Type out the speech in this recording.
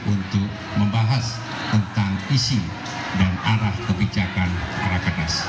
untuk membahas tentang visi dan arah kebijakan rakenas